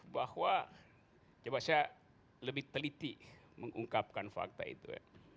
bahwa coba saya lebih teliti mengungkapkan fakta itu